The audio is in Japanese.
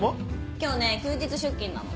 今日ね休日出勤なの。